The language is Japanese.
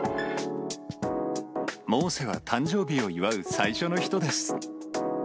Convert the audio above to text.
モーセは誕生日を祝う最初の人です。